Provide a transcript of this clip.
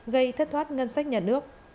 gây thất thoát ngân sách nhà nước